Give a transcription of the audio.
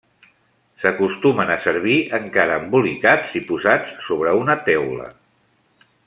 S'acostumen a servir encara embolicats i posats sobre una teula.